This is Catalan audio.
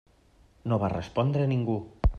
No va respondre ningú.